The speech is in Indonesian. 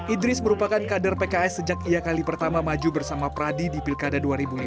idris merupakan kader pks sejak ia kali pertama maju bersama pradi di pilkada dua ribu lima belas